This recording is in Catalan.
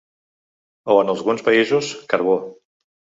O, en alguns països, carbó.